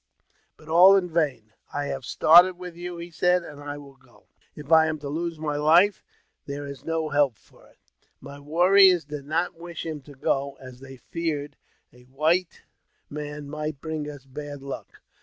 But all in vain. '' I have started with you," he said, " and I will go ; if I am to lose my life, there is no help for it." My warriors did not wish him to go, as they feared a whi man might bring us bad luck.